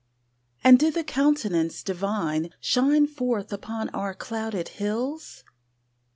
And did the Countenance Divine Shine forth upon our clouded hills?